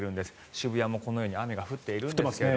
渋谷もこのように雨が降っているんですが。